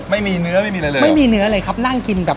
ไม่มีเนื้อไม่มีอะไรเลยไม่มีเนื้อเลยครับนั่งกินกับ